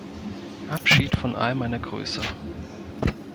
Abschied von all meiner Größe